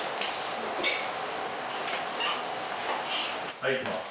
はいいきます